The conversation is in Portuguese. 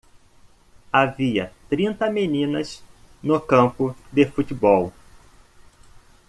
Havia trinta meninas no campo de futebol.